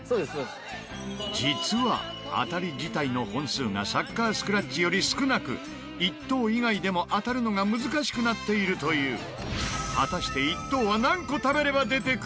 実は当たり自体の本数がサッカースクラッチより少なく１等以外でも当たるのが難しくなっているという。